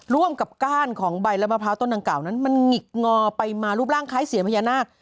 ร่วมกับก้านของใบและมะพร้าวต้นดังกล่าวนั้นมันหงิกงอไปมารูปร่างคล้ายเสียญพญานาค